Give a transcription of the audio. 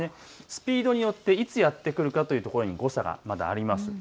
スピードによっていつやって来るかということに誤差があります。